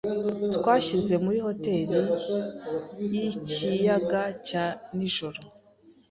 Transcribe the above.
Twashyize muri hoteri yi kiyaga cya nijoro.